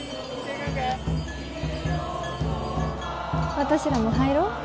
私らも入ろう。